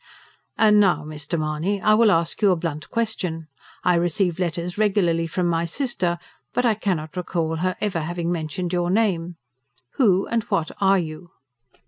"And now, Mr. Mahony, I will ask you a blunt question. I receive letters regularly from my sister, but I cannot recall her ever having mentioned your name. Who and what are you?"